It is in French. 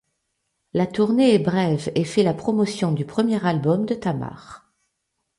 La tournée est brève et fait la promotion du premier album de Tàmar.